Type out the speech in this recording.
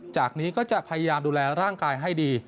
จากนี้ก็จะพยายามดูแลร่างกายให้ดี